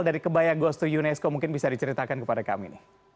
dari kebaya ghost to unesco mungkin bisa diceritakan kepada kami